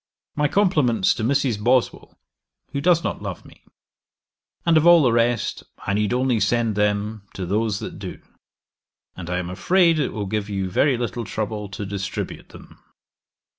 'My compliments to Mrs. Boswell, who does not love me; and of all the rest, I need only send them to those that do: and I am afraid it will give you very little trouble to distribute them.